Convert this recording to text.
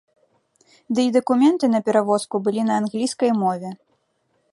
Ды і дакументы на перавозку былі на англійскай мове.